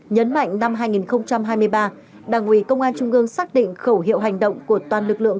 nhấn mạnh năm hai nghìn hai mươi ba đảng ủy công an trung ương xác định khẩu hiệu hành động của toàn lực lượng